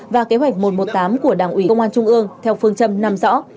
và kế hoạch một trăm một mươi tám của đảng ủy công an trung ương theo phương châm năm rõ